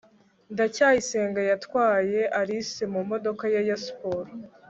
ndacyayisenga yatwaye alice mu modoka ye ya siporo